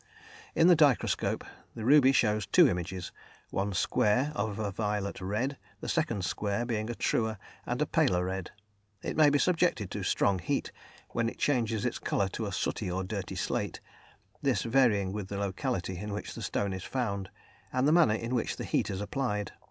_ In the dichroscope the ruby shows two images, one square of a violet red, the second square being a truer and a paler red. It may be subjected to strong heat, when it changes its colour to a sooty or dirty slate, this varying with the locality in which the stone is found, and the manner in which the heat is applied.